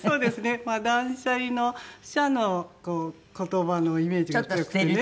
まあ断捨離の「捨」の言葉のイメージが強くてね。